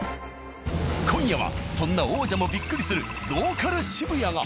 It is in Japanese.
今夜はそんな王者もびっくりするローカル渋谷が。